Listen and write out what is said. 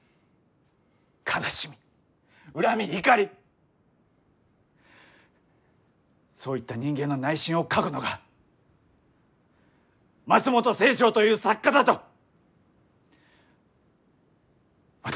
悲しみ恨み怒りそういった人間の内心を書くのが松本清張という作家だと私は思います！